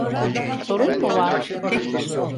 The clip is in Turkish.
Sorun mu var?